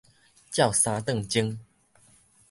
照三頓舂